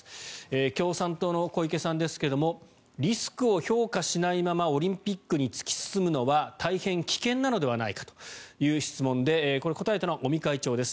共産党の小池さんですがリスクを評価しないままオリンピックに突き進むのは大変危険なのではないかという質問でこれは答えたのは尾身会長です。